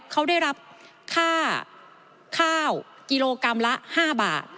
เขาได้รับค่าข้าวกิโลกรัมละ๕บาท